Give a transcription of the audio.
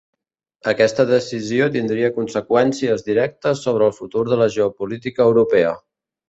Aquesta decisió tindria conseqüències directes sobre el futur de la geopolítica europea.